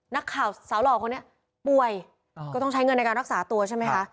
นักข่าวสาวหล่อคนนี้ป่วยก็ต้องใช้เงินในการรักษาตัวใช่ไหมคะ